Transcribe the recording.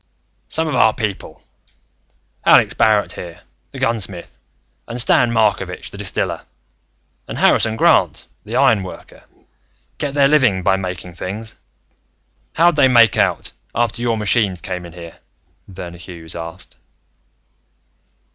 "Some of our people, Alex Barrett here, the gunsmith, and Stan Markovitch, the distiller, and Harrison Grant, the iron worker get their living by making things. How'd they make out, after your machines came in here?" Verner Hughes asked.